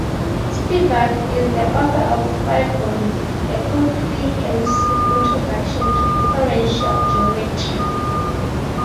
Spivak is the author of the five-volume "A Comprehensive Introduction to Differential Geometry".